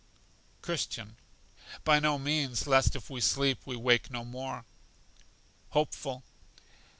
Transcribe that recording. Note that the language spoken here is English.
Christian. By no means, lest if we sleep we wake no more. Hopeful.